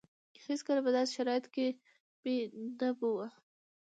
هېڅکله په داسې شرايطو کې مې نه بوه.